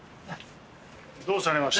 どうされました？